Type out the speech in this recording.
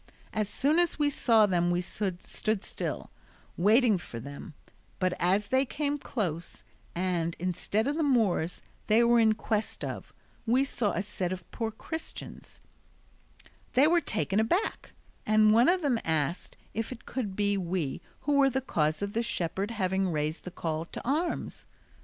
As soon as we saw them we stood still, waiting for them; but as they came close and, instead of the Moors they were in quest of, saw a set of poor Christians, they were taken aback, and one of them asked if it could be we who were the cause of the shepherd having raised the call to arms.